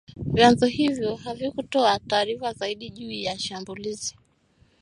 Vyanzo hivyo havikutoa taarifa zaidi juu ya shambulizi